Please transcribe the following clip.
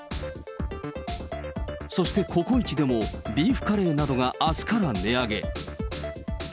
そしてココイチでも、ビーフカレーなどがあすから値上げ。